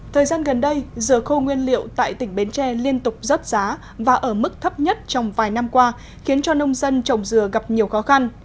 thời gian gần đây dừa khô nguyên liệu tại tỉnh bến tre liên tục rớt giá và ở mức thấp nhất trong vài năm qua khiến cho nông dân trồng dừa gặp nhiều khó khăn